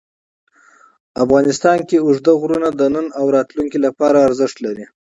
افغانستان کې اوږده غرونه د نن او راتلونکي لپاره ارزښت لري.